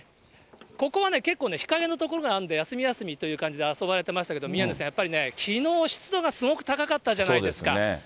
ここはね、結構日陰の所があるので、休み休みという感じで遊ばれてましたけど、宮根さん、やっぱりね、きのう、湿度がすごく高かったじゃないですか。